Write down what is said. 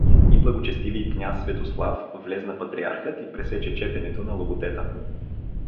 И благочестивий княз Светослав… Влезна патриархът и пресече четенето на логотета.